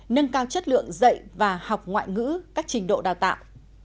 nâng cao chất lượng dạy và học ngoại ngữ các trình độ đào tạo